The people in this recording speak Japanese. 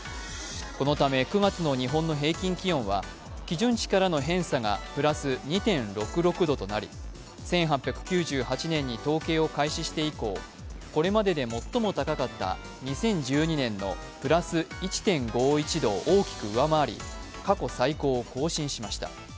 このため９月の日本の平均気温が基準値からの偏差がプラス２．６６度となり１８９８年に統計を開始して以降、これまでで最も高かった２０１２年のプラス１．５１度を大きく上回り、過去最高を更新しました。